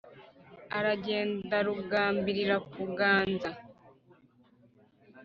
Aragenda Rugambirira kuganza